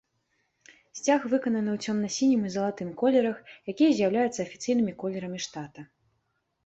Сцяг выкананы ў цёмна-сінім і залатым колерах, якія з'яўляюцца афіцыйнымі колерамі штата.